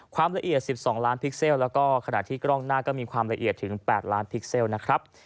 ความละเอียด๑๒ล้านพิกเซลแล้วก็ขณะที่กล้องหน้าก็มีความละเอียดถึง๘ล้านพิกเซลนะครับ